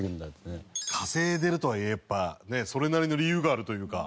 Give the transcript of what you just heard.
稼いでるとはいえやっぱそれなりの理由があるというか。